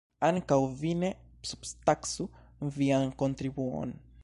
Ankaŭ vi ne subtaksu vian kontribuon.